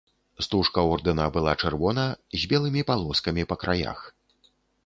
Стужка ордэна была чырвона з белымі палоскамі па краях.